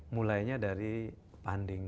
mulainya dari banding